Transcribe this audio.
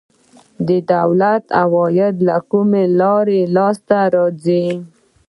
د دولت عواید له کومې لارې لاسته راځي؟